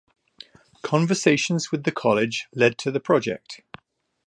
Conversations with the college led to the project.